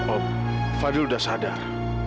oh fadil udah sadar